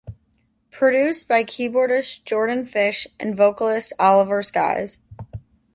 Produced by keyboardist Jordan Fish and vocalist Oliver Sykes.